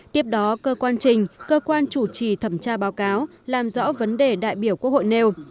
tiếp đó cơ quan trình cơ quan chủ trì thẩm tra báo cáo làm rõ vấn đề đại biểu quốc hội nêu